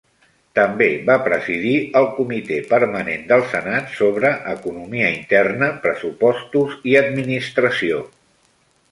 També va presidir el Comitè Permanent del Senat sobre economia interna, pressupostos i administració.